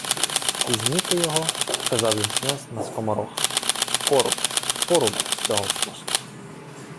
— Візьміте його... — вказав їм князь на скомороха. — В поруб... У поруб сього послуха!..